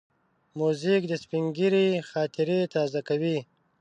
موزیک د سپینږیري خاطرې تازه کوي.